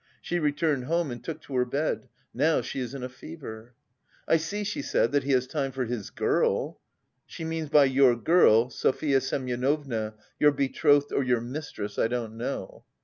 She returned home and took to her bed; now she is in a fever. 'I see,' she said, 'that he has time for his girl.' She means by your girl Sofya Semyonovna, your betrothed or your mistress, I don't know.